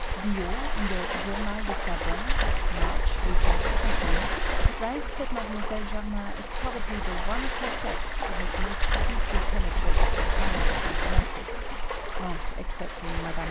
Biot, in the Journal de Savants, March, 1817, writes that Mlle. Germain is probably the one of her sex who has most deeply penetrated the science of mathematics, not excepting Mme.